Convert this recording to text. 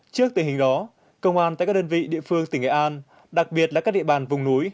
trước tình hình đó công an tại các đơn vị địa phương tỉnh nghệ an đặc biệt là các địa bàn vùng núi